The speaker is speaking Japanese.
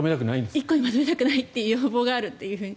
１個にまとめたくないという要望がある。